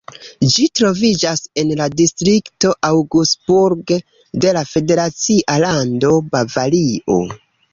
Ĝi troviĝas en la distrikto Augsburg de la federacia lando Bavario.